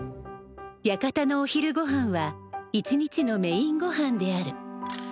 屋形のお昼ごはんは一日のメインごはんである。